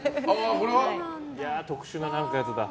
特殊なやつだ。